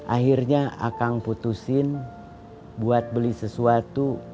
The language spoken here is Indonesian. akhirnya akang putusin buat beli sesuatu